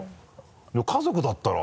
でも家族だったら。